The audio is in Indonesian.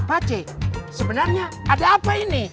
pak c sebenarnya ada apa ini